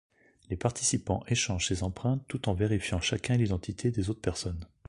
Les participants échangent ces empreintes tout en vérifiant chacun l'identité des autres personnes.